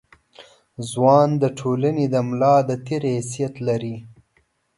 ځوان د ټولنې د ملا د تیر حیثیت لري.